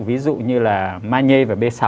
ví dụ như là manhê và b sáu